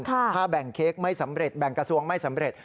ถ้าแบ่งเค้กไม่สำเร็จแบ่งกระทรวงไม่สำเร็จ